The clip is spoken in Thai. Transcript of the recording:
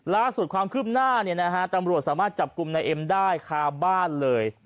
ล่าสุดความคืบหน้าตำรวจสามารถจับกลุ่มนายเอ็มได้คาบ้านเลย